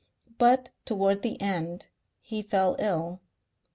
But toward the end he fell ill.